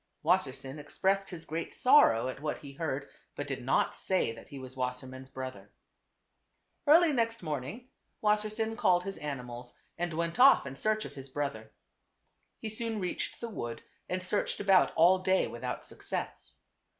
Wassersein expressed his great sorrow at what he heard, but did not say that he was Wasser mann's brother. 306 TWO BBOTHEBS. Early next morning Wassersein called his animals and went off in search of his brother. He soon reached the wood and searched about all day without success.